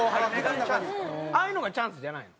ああいうのがチャンスじゃないの？